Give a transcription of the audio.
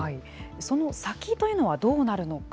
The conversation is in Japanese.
その先というのはどうなるのか。